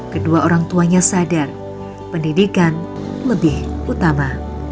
kedua orang tuanya sadar pendidikan lebih utama